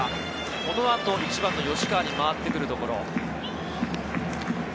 このあと１番の吉川に回ってくるところ。